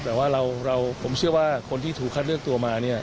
แต่ว่าเราผมเชื่อว่าคนที่ถูกคัดเลือกตัวมาเนี่ย